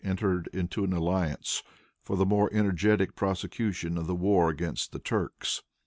entered into an alliance for the more energetic prosecution of the war against the Turks.